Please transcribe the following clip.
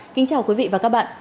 kính chào quý vị và các bạn